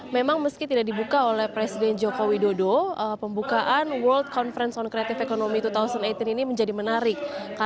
memang meski tidak dibuka oleh presiden joko widodo pembukaan world conference on creative economy dua ribu delapan belas ini menjadi menarik